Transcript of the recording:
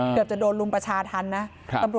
เกือบจะโดนรุมประชาธรรมนะ